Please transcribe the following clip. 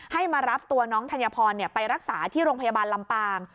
มารับตัวน้องธัญพรไปรักษาที่โรงพยาบาลลำปาง